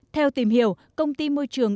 theo tìm hiểu công ty môi trường